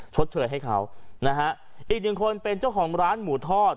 ชดเชยให้เขานะฮะอีกหนึ่งคนเป็นเจ้าของร้านหมูทอด